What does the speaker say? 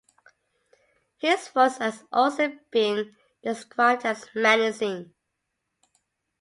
His voice has also been described as menacing.